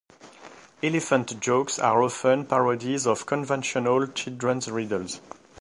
Elephant jokes are often parodies of conventional children's riddles.